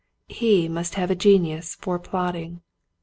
He must have a genius for plodding.